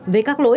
với các lỗi